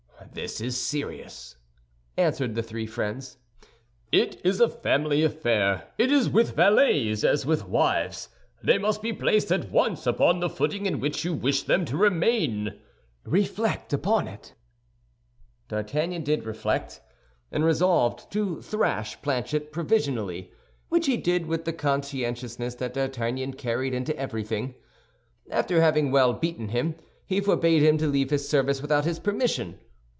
"This is serious," answered the three friends; "it is a family affair. It is with valets as with wives, they must be placed at once upon the footing in which you wish them to remain. Reflect upon it." D'Artagnan did reflect, and resolved to thrash Planchet provisionally; which he did with the conscientiousness that D'Artagnan carried into everything. After having well beaten him, he forbade him to leave his service without his permission.